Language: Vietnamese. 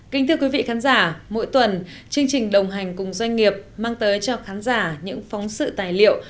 kính thưa quý vị khán giả mỗi tuần chương trình đồng hành cùng doanh nghiệp mang tới cho khán giả những phóng sự tài liệu